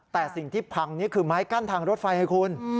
แต่สิ่งที่พังนี่คือไม้กั้นทางรถไฟให้คุณ